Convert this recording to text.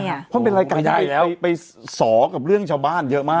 เพราะเป็นแรกอาหารที่จะไปสอคับเรื่องชาวบ้านเยอะมาก